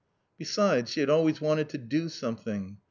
Besides she had always wanted to do something.